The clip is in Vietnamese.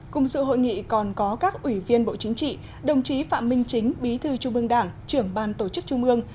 cùng sự hội nghị còn có các ủy viên bộ chính trị đồng chí phạm minh chính bí thư trung ương đảng trưởng ban tổ chức trung ương